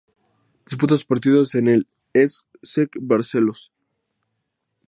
Disputa sus partidos en el "Esc Sec Barcelos".